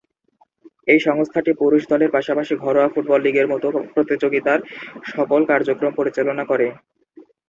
এই সংস্থাটি পুরুষ দলের পাশাপাশি ঘরোয়া ফুটবল লীগের মতো প্রতিযোগিতার সকল কার্যক্রম পরিচালনা করে।